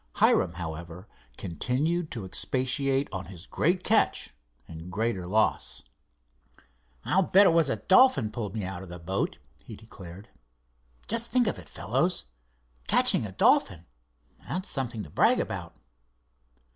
Hiram, however, continued to expatiate on his great catch and greater loss. "I'll bet it was a dolphin pulled me out of the boat," he declared. "Just think of it, fellows—catching a dolphin! That's something to brag about."